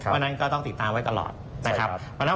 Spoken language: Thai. วันนั้นก็ต้องติดตามไว้ตลอดนะครับ